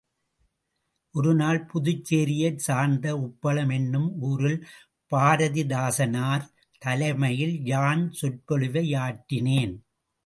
ஒருநாள் புதுச்சேரியைச் சார்ந்த உப்பளம் என்னும் ஊரில் பாரதிதாசனார் தலைமையில் யான் சொற்பொழிவாற்றினேன்.